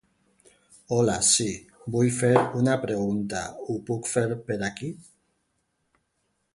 Hola, sí, vull fer una pregunta, ho puc fer per aquí?